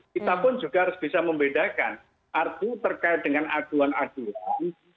kita pun juga harus bisa membedakan arti terkait dengan aduan aduan